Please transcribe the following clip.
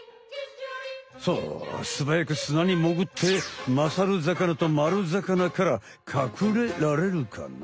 さあすばやく砂にもぐってまさるざかなとまるざかなからかくれられるかな？